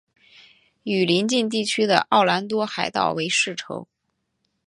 与邻近地区的奥兰多海盗为世仇。